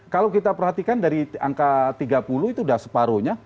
kalau kita perhatikan dari angka tiga puluh itu sudah separuhnya